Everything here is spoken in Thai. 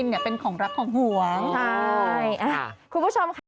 มันก็คือมันลักของหัวขอคุณผู้ชมค่ะ